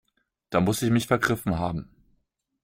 Da muss ich mich vergriffen haben.